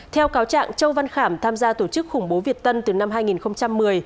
theo cáo trạng châu văn khảm tham gia tổ chức khủng bố việt tân từ năm hai nghìn một mươi